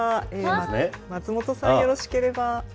松本さん、よろしければ。